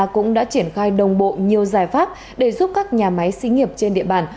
cũng đã triển khai đồng bộ nhiều giải pháp để giúp các nhà máy xí nghiệp trên địa bàn